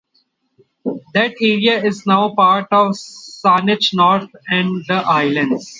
That area is now part of Saanich North and the Islands.